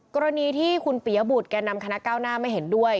กรณีที่คุณปียบุตรแก่นำคณะก้าวหน้าไม่เห็นด้วย